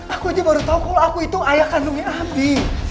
aku aja baru tahu kalau aku itu ayah kandungnya api